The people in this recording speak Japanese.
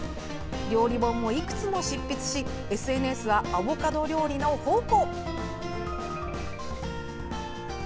料理本もいくつも執筆しＳＮＳはアボカド料理の宝庫。